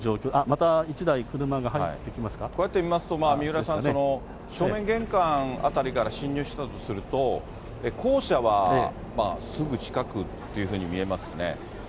また１台、こうやって見ますと、三浦さん、正面玄関辺りから侵入したとすると、校舎はすぐ近くっていうふうに見えますね。